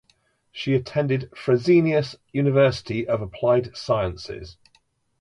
She attended Fresenius University of Applied Sciences.